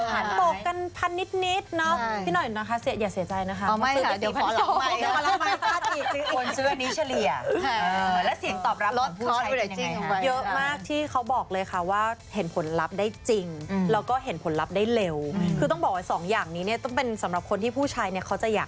ห้านโป๊บกันนิดนะพี่นอยอย่าเสียใจนะคะ